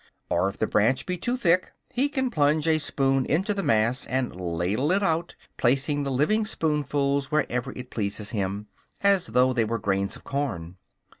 Or, if the branch be too thick, he can plunge a spoon into the mass, and ladle it out, placing the living spoonfuls wherever it pleases him, as though they were grains of corn.